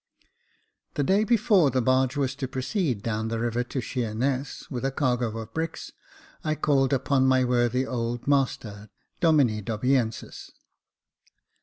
The day before the barge was to proceed down the river to Sheerness, with a cargo of bricks, I called upon my worthy old master, Domine Dobiensis.